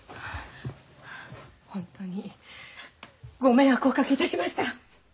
ホントにご迷惑をおかけいたしました。